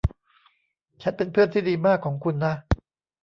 ฉันเป็นเพื่อนที่ดีมากของคุณนะ